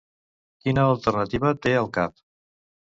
Quina alternativa té al cap?